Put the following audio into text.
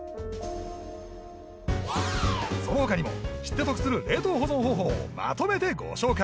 その他にも知って得する冷凍保存方法をまとめてご紹介